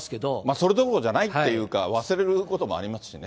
それどころじゃないっていうか、忘れることもありますしね。